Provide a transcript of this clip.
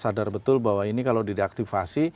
supaya sadar betul bahwa ini kalau di deaktivasi